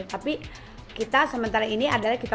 tapi kita sementara ini adalah kita